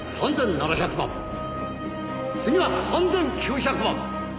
「次は３９００万」